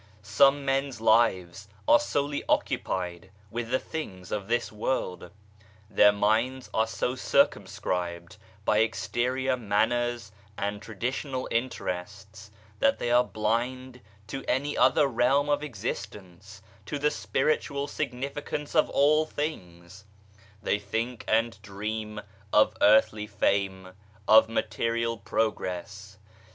Some men's lives are solely occupied with the things of this world ; their minds are so circumscribed by exterior manners and traditional interests that they are blind to any other realm of existence, to the spiritual significance of all things I They think and dream of earthly fame, of material progress.